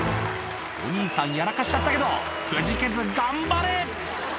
お兄さん、やらかしちゃったけど、くじけず頑張れ。